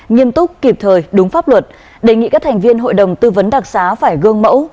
nghiêm túc kịp thời đúng pháp luật đề nghị các thành viên hội đồng tư vấn đặc xá phải gương mẫu